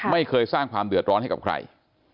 ไม่เคยสร้างความเดือดร้อนให้กับใคร